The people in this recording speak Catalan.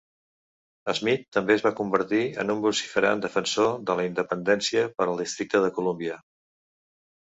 Smith també es va convertir en un vociferant defensor de la 'independència per al Districte de Columbia.